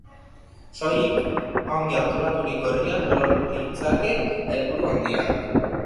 Soilik ongi antolaturiko herriak lor ditzake helburu handiak.